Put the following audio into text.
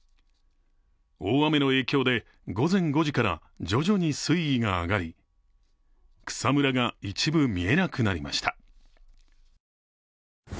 大雨の影響で午前５時から徐々に水位が上がり、草むらが一部見えなくなりました。